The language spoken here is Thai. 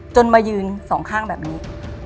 มายืนสองข้างแบบนี้